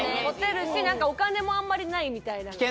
モテるし何かお金もあんまりないみたいな。